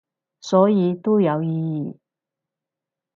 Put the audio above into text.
所以都有意義